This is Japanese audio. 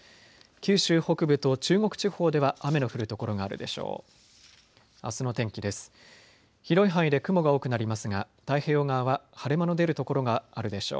九州北部と中国地方では雨の降る所があるでしょう。